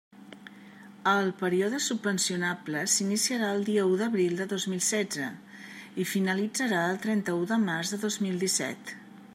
El període subvencionable s'iniciarà el dia u d'abril de dos mil setze i finalitzarà el trenta-u de març de dos mil dèsset.